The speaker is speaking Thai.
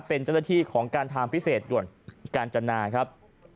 เป็นเจ้าหน้าที่ของการทางพิเศษด่วนกาญจนาครับ